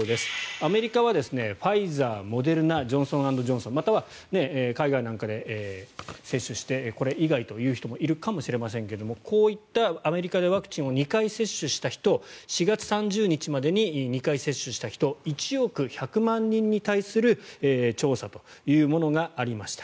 アメリカはファイザー、モデルナジョンソン・エンド・ジョンソンまたは海外なんかで接種してこれ以外という人もいるかもしれませんがこういったアメリカでワクチンを２回接種した人４月３０日までに２回接種した人１億１００万人に対する調査というものがありました。